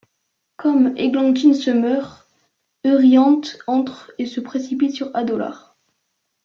Comme Églantine se meurt, Euryanthe entre et se précipite sur Adolar.